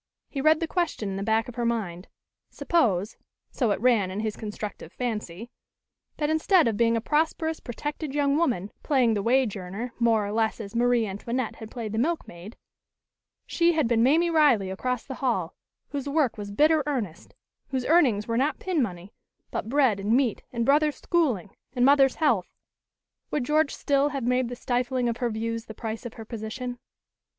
He read the question in the back of her mind. Suppose (so it ran in his constructive fancy) that instead of being a prosperous, protected young woman playing the wage earner more or less as Marie Antoinette had played the milkmaid, she had been Mamie Riley across the hall, whose work was bitter earnest, whose earnings were not pin money, but bread and meat and brother's schooling and mother's health would George still have made the stifling of her views the price of her position?